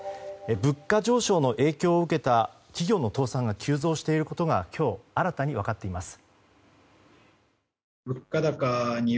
物価上昇の影響を受けた企業の倒産が急増していることが今日新たに分かっています。